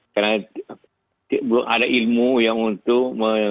karena belum ada ilmu yang untuk